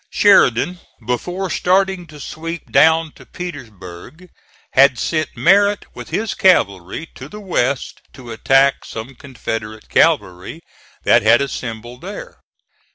Sheridan before starting to sweep down to Petersburg had sent Merritt with his cavalry to the west to attack some Confederate cavalry that had assembled there.